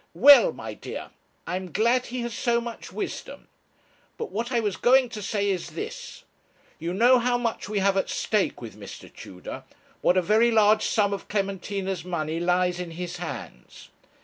'Well, my dear, I am glad he has so much wisdom. But what I was going to say is this: you know how much we have at stake with Mr. Tudor what a very large sum of Clementina's money lies in his hands.